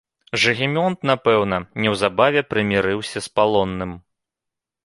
Жыгімонт, напэўна, неўзабаве прымірыўся з палонным.